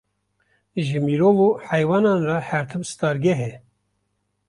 Ji mirov û heywanan re her tim stargeh e